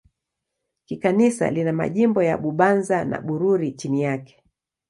Kikanisa lina majimbo ya Bubanza na Bururi chini yake.